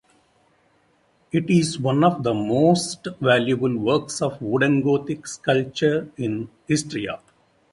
It is one of the most valuable works of wooden Gothic sculpture in Istria.